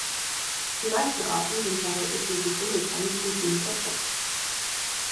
Die meisten Arten sind verhältnismäßig unbekannt und wenig erforscht.